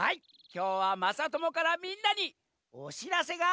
きょうはまさともからみんなにおしらせがあるみたいざんす！